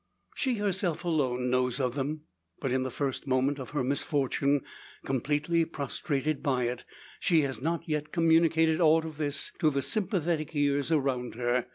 She herself alone knows of them; but, in the first moment of her misfortune, completely prostrated by it, she has not yet communicated aught of this to the sympathetic ears around her.